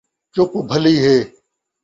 چُپ بھلی ہے